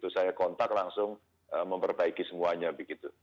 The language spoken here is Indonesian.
saya kontak langsung memperbaiki semuanya begitu